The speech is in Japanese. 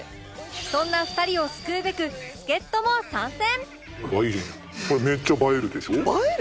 そんな２人を救うべく助っ人も参戦！